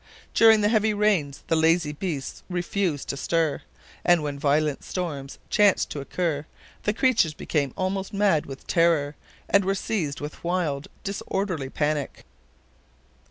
During the heavy rains the lazy beasts refused to stir, and when violent storms chanced to occur, the creatures became almost mad with terror, and were seized with a wild, disorderly panic.